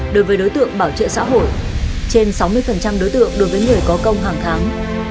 đối với đối tượng bảo trợ xã hội trên sáu mươi đối tượng đối với người có công hàng tháng